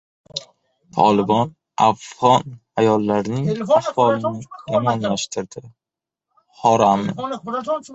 "Tolibon" afg‘on ayollarining ahvolini yomonlashtirdi — Horami